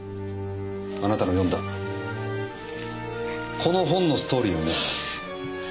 あなたの読んだこの本のストーリーをね。